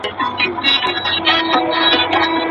تدریسي نصاب په چټکۍ نه ارزول کیږي.